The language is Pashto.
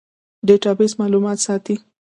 ډیټابیس معلومات ساتي